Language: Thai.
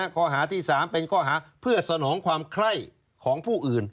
ข้อหาที่๓เป็นข้อหาเพื่อสนองความไข้ของผู้อื่น